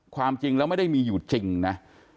ความจริงแล้วไม่ได้มีอยู่จริงนะ